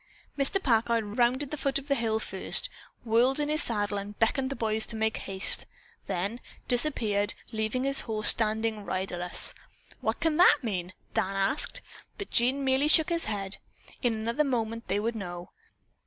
Mr. Packard rounded the foot of the hill first, whirled in his saddle, beckoned the boys to make haste, then disappeared, leaving his horse standing riderless. "What can that mean?" Dan asked, but Jean merely shook his head. In another moment they would know.